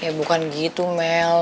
ya bukan gitu mel